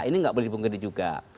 ini tidak boleh dibungkirin juga